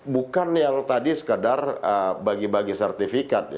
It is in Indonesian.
bukan yang tadi sekadar bagi bagi sertifikat